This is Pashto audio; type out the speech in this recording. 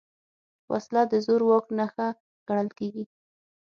وسله د زور واک نښه ګڼل کېږي